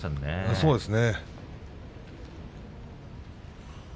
そうですね。